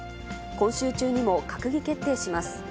今週中にも閣議決定します。